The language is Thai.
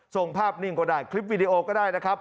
ส่งภาพนิ่งก็ได้คลิปวิดีโอก็ได้นะครับ